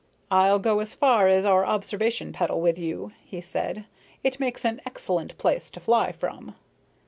"I'll go as far as our observation petal with you," he said. "It makes an excellent place to fly from."